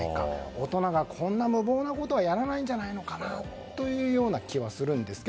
大人がこんな無謀なことはやらないんじゃないかという気はしますが。